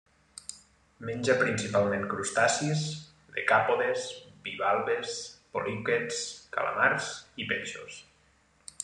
Menja principalment crustacis decàpodes, bivalves, poliquets, calamars i peixos.